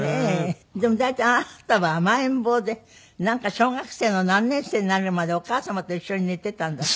でも大体あなたは甘えん坊で小学生の何年生になるまでお母様と一緒に寝ていたんだって？